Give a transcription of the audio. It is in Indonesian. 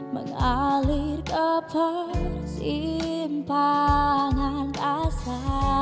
mengalir ke persimpangan rasa